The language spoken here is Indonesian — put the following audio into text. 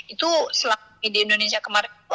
itu selama di indonesia kemarin